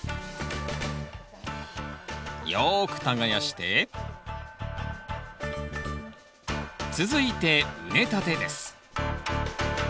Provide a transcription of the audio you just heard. よく耕して続いて畝立てです